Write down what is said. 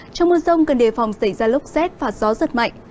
trong mưa rông cần đề phòng xảy ra lốc xét và gió giật mạnh